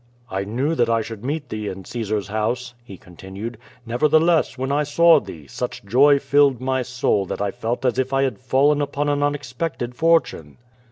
"I knew that I should meet thee in Caesar's house,'* he continued. ^'Nevertheless, when I saw thee, such joy filled my soul that I felt as if I had fallen upon an unexpected for tune."